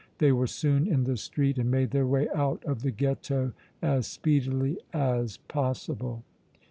They were soon in the street and made their way out of the Ghetto as speedily as possible.